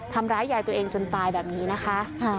ทำร้ายยายตัวเองจนตายแบบนี้นะคะ